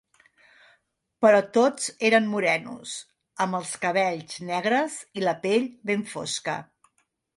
Però tots eren morenos, amb els cabells negres i la pell ben fosca.